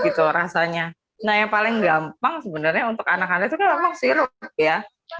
itu rasanya nah yang paling gampang sebenarnya untuk anak anak itu ya